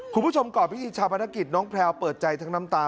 คุณผู้ชมก่อนพิธีชาปนกิจน้องแพลวเปิดใจทั้งน้ำตา